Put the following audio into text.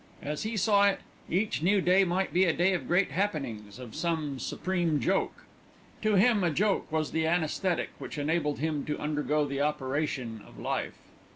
As he saw it, each new day might be a day of great happenings, of some supreme joke. To him a joke was the anæsthetic which enabled him to undergo the operation of life.